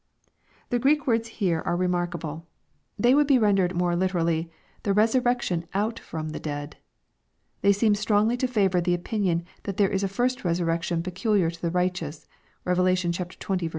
] The Q reek words here are LUKE, CHAP. XX. 343 remarkable. They would be rendered more literally, *' the resurrec tion out from the dead." They seem strongly to favor the opinion that there is a first resurrection peculiar to the righteous. (Rev. XX. 5, &c.)